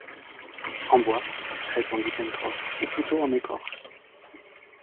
En bois, répondit Pencroff, ou plutôt en écorce.